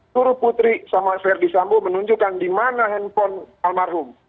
turut putri sama verdi sambo menunjukkan dimana handphone almarhum